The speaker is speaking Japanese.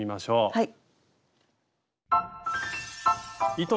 はい。